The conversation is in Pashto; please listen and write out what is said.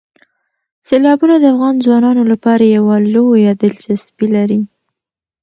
سیلابونه د افغان ځوانانو لپاره یوه لویه دلچسپي لري.